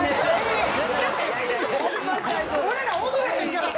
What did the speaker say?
俺ら踊れへんから！